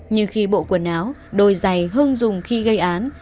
nhưng khi bộ quần áo đôi giày hưng dùng khi gây án